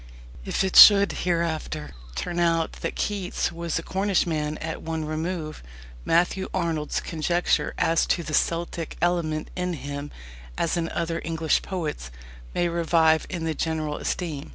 If it should hereafter turn out that Keats was a Cornishman at one remove, Matthew Arnold's conjecture as to the "Celtic element" in him, as in other English poets, may revive in the general esteem.